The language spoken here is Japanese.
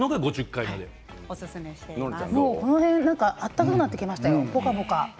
この辺、温かくなってきましたよポカポカ。